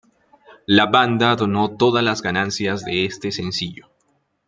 La banda donó todas las ganancias de este sencillo.